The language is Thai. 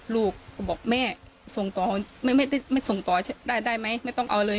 ลูกบอกแม่ส่งต่อไม่ส่งต่อได้ได้ไหมไม่ต้องเอาเลย